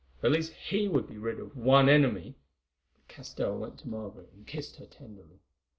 At least he would be rid of one enemy. But Castell went to Margaret and kissed her tenderly.